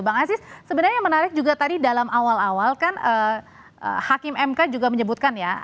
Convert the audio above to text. bang aziz sebenarnya yang menarik juga tadi dalam awal awal kan hakim mk juga menyebutkan ya